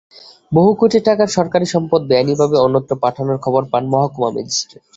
বহু কোটি টাকার সরকারি সম্পদ বেআইনিভাবে অন্যত্র পাঠানোর খবর পান মহকুমা ম্যাজিস্ট্রেট।